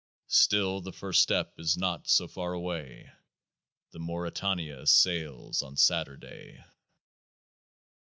Still, the first step is not so far away :— The Mauretania sails on Saturday